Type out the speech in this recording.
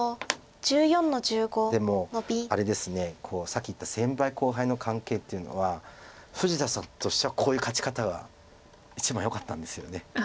さっき言った先輩後輩の関係っていうのは富士田さんとしてはこういう勝ち方は一番よかったんですよね。